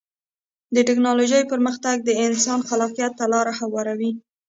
د ټکنالوجۍ پرمختګ د انسان خلاقیت ته لاره هواروي.